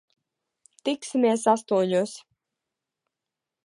Tiksimies astoņos.